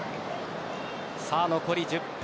残り１０分。